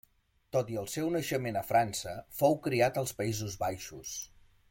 Tot i el seu naixement a França fou criat als Països Baixos.